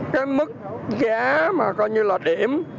cái mức giá mà coi như là điểm